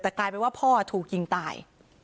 แต่กลายเป็นว่าพ่อถูกยิงตาย